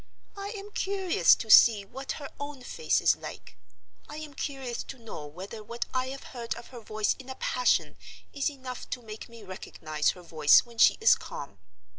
I am curious to see what her own face is like. I am curious to know whether what I have heard of her voice in a passion is enough to make me recognize her voice when she is calm.